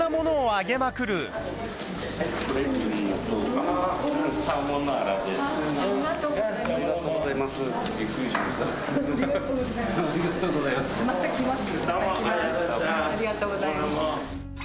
ありがとうございます。